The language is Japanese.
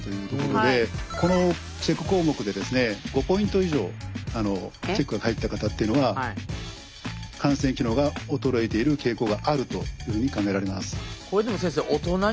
このチェック項目でですね５ポイント以上チェックが入った方っていうのは汗腺機能が衰えている傾向があるというふうに考えられます。